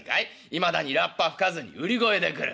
いまだにラッパ吹かずに売り声で来る。